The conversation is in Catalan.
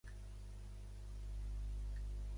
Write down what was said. S'hi troba el poblat ibèric del Clascar.